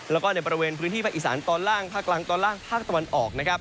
แล้วก็ในบริเวณพื้นที่ภาคอีสานตอนล่างภาคกลางตอนล่างภาคตะวันออกนะครับ